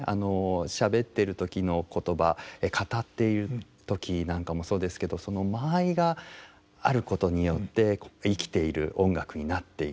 しゃべってる時の言葉語っている時なんかもそうですけどその間合いがあることによって生きている音楽になっていく。